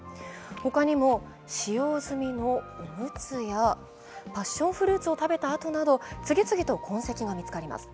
他にも使用済みのおむつやパッションフルーツを食べた跡など次々と痕跡が見つかります。